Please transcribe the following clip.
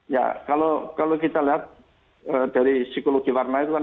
ya kalau kita lihat dari psikologi warna itu kan